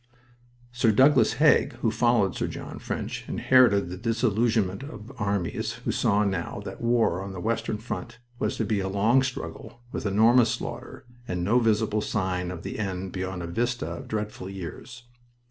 Sir Douglas Haig, who followed Sir John French, inherited the disillusionment of armies who saw now that war on the western front was to be a long struggle, with enormous slaughter, and no visible sign of the end beyond a vista of dreadful years.